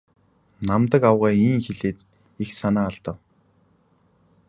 Намдаг авга ийн хэлээд их санаа алдав.